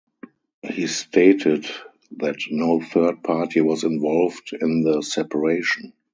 He stated that no third party was involved in the separation.